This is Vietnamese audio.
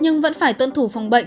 nhưng vẫn phải tuân thủ phòng bệnh